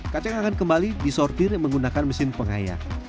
kacang akan kembali disortir menggunakan mesin pengayat